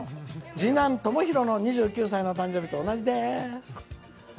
次男、ともひろの２９歳の誕生日と同じです」。